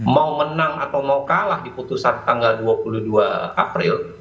mau menang atau mau kalah di putusan tanggal dua puluh dua april